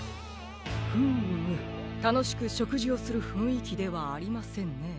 フムたのしくしょくじをするふんいきではありませんね。